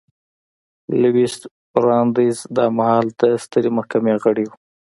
لویس براندیز دا مهال د سترې محکمې غړی و.